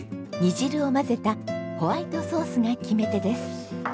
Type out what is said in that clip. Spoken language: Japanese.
煮汁を混ぜたホワイトソースが決め手です。